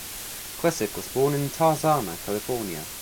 Klesic was born in Tarzana, California.